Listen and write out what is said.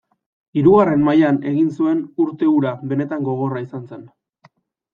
Hirugarren mailan egin zuen urte hura benetan gogorra izan zen.